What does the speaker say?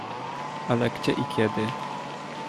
"Ale gdzie i kiedy?"